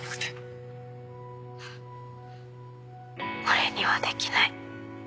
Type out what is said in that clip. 俺にはできない。